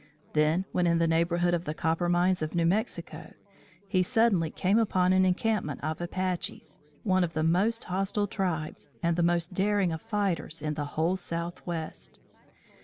Then, when in the neighborhood of the copper mines of New Mexico, he suddenly came upon an encampment of Apaches, one of the most hostile tribes and the most daring of fighters in the whole southwest.